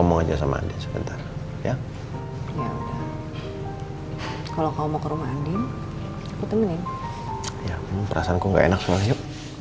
oh ambil pas dulu ya